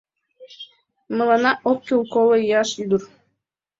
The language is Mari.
Мыланна ок кӱл коло ияш ӱдыр